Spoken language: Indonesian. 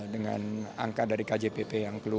dengan angka dari kjpp